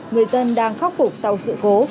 người dân đang khắc phục sau sự cố